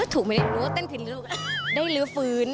ถูกไม่ได้รู้เต้นผิดแล้วก็ได้รื้อฝื้น